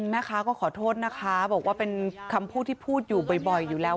แม่ค้าก็ขอโทษนะคะบอกว่าเป็นคำพูดที่พูดอยู่บ่อยอยู่แล้ว